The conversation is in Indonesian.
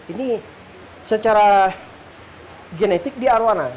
ini secara genetik di arowana